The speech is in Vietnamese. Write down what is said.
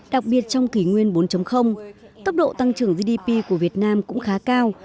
đặc biệt trong kỷ nguyên bốn tốc độ tăng trưởng gdp của việt nam cũng khá cao